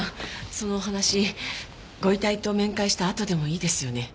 そのお話ご遺体と面会したあとでもいいですよね？